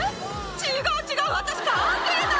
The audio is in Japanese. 違う違う私関係ない！